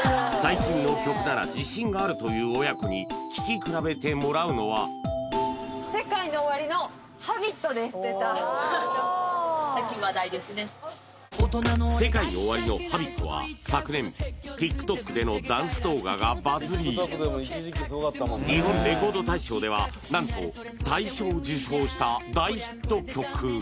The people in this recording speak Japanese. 最近の曲なら自信があるというＳＥＫＡＩＮＯＯＷＡＲＩの「Ｈａｂｉｔ」は昨年ＴｉｋＴｏｋでのダンス動画がバズり日本レコード大賞ではなんと大賞を受賞した大ヒット曲